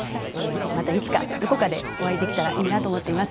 またいつか、どこかでお会いできたらいいなと思っております。